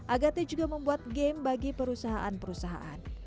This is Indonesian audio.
agate juga membuat game bagi para pemain yang berpengalaman